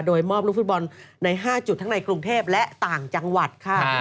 โดยมอบลูกฟุตบอลใน๕จุดทั้งในกรุงเทพและต่างจังหวัดค่ะ